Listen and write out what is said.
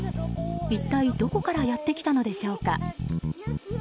一体どこからやってきたのでしょうか。